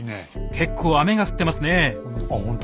結構雨が降ってますね。